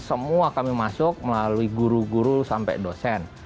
semua kami masuk melalui guru guru sampai dosen